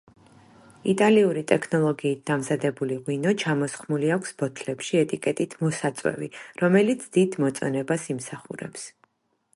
იტალიური ტექნოლოგიით დამზადებული ღვინო ჩამოსხმული აქვს ბოთლებში ეტიკეტით „მოსაწვევი“, რომელიც დიდ მოწონებას იმსახურებს.